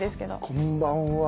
こんばんは。